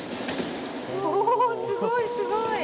おすごいすごい！